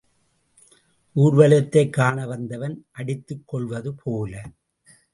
ஊர்வலத்தைக் காண வந்தவன் அடித்துக் கொள்வது போல.